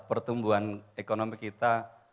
sehingga kembuhan ekonomi kita